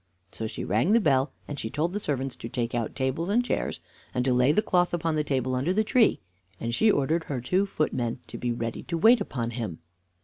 So she rang the bell, and she told the servants to take out tables and chairs and to lay the cloth upon the table under the tree, and she ordered her two footmen to be ready to wait upon him.